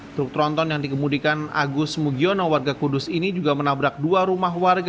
truk tronton yang dikemudikan agus mugiono warga kudus ini juga menabrak dua rumah warga